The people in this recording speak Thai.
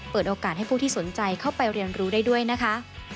เปิดโอกาสให้ผู้ที่สนใจเข้าไปเรียนรู้ได้ด้วยนะคะ